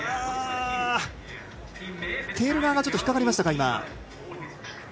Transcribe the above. テール側がちょっと引っかかりましたか。